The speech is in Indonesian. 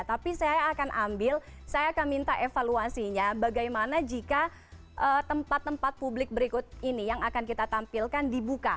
tapi saya akan ambil saya akan minta evaluasinya bagaimana jika tempat tempat publik berikut ini yang akan kita tampilkan dibuka